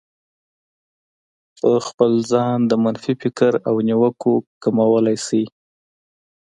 په خپل ځان د منفي فکر او نيوکو کمولای شئ.